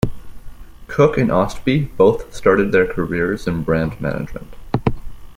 Cook and Ostby both started their careers in brand management.